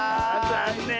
ざんねん。